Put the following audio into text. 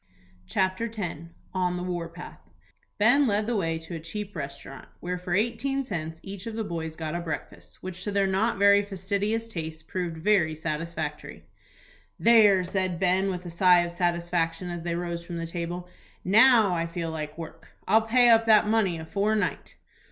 CHAPTER X. ON THE WAR PATH. Ben led the way to a cheap restaurant, where for eighteen cents each of the boys got a breakfast, which to their not very fastidious tastes proved very satisfactory. "There," said Ben, with a sigh of satisfaction, as they rose from the table, "now I feel like work; I'll pay up that money afore night."